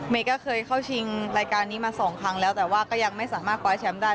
ก็เคยเข้าชิงรายการนี้มาสองครั้งแล้วแต่ว่าก็ยังไม่สามารถคว้าแชมป์ได้